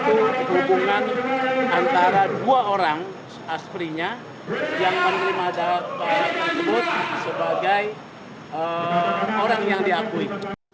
edward sebagai orang yang diakui